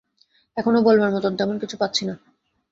এখনো বলবার মতো তেমন কিছু পাচ্ছি না।